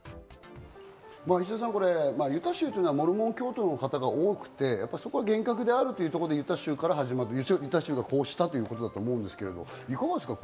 石田さん、ユタ州というのはモルモン教徒の方が多くて、そこは厳格であるというユタ州から始まって、こうしたということだと思うんですが、いかがですか？